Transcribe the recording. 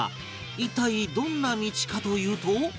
一体どんな道かというと